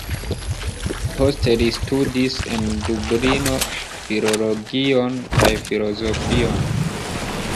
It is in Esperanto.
Poste li studis en Dublino filologion kaj filozofion.